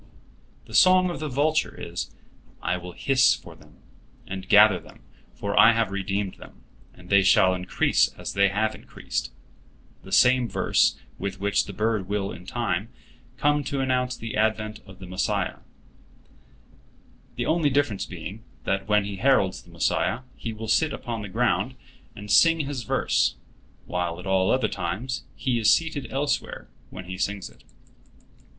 The song of the vulture is: "I will hiss for them, and gather them; for I have redeemed them, and they shall increase as they have increased"—the same verse with which the bird will in time to come announce the advent of the Messiah, the only difference being, that when he heralds the Messiah he will sit upon the ground and sing his verse, while at all other times he is seated elsewhere when he sings it.